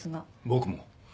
僕も。